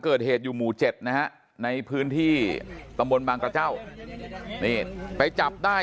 เกิดเหตุอยู่หมู่๗นะฮะในพื้นที่ตำบลบางกระเจ้านี่ไปจับได้